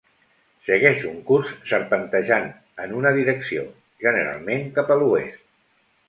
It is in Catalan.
Segueix un curs serpentejant en una direcció generalment cap a l'oest.